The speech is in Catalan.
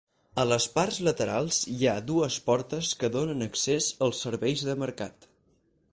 A les parts laterals hi ha dues portes que donen accés als serveis de mercat.